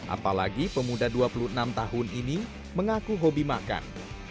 apalagi pemuda dua puluh enam tahun ini mengaku hobi makan